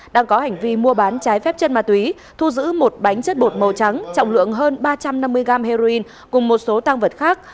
đang có hành vi mua bán trái phép chất ma túy thu giữ một bánh chất bột màu trắng trọng lượng hơn ba trăm năm mươi gram heroin cùng một số tăng vật khác